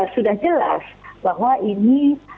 sudah jelas bahwa ini